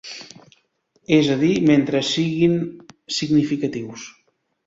És a dir mentre siguin significatius.